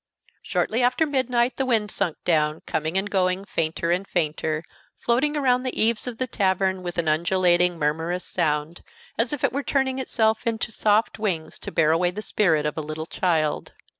Shortly after midnight the wind sunk down, coming and going fainter and fainter, floating around the eaves of the tavern with an undulating, murmurous sound, as if it were turning itself into soft wings to bear away the spirit of a little child.